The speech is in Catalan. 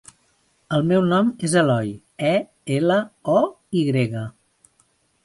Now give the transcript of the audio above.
El meu nom és Eloy: e, ela, o, i grega.